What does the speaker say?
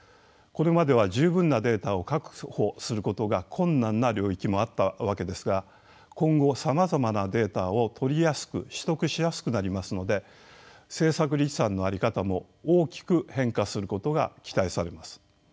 これまでは十分なデータを確保することが困難な領域もあったわけですが今後さまざまなデータを取りやすく取得しやすくなりますので政策立案の在り方も大きく変化することが期待されます。